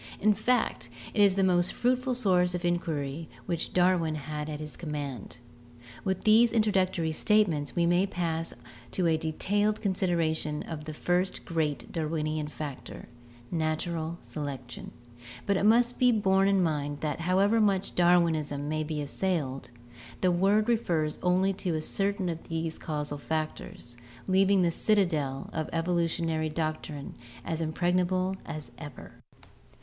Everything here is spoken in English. In fact, it was the most fruitful source of inquiry which Darwin had at his command. With these introductory statements we may pass to a detailed consideration of the first great Darwinian factor, natural selection, but it must be borne in mind that however much Darwinism may be assailed, the word refers only to certain of these causal factors, leaving the citadel of the evolutionary doctrine as impregnable as ever.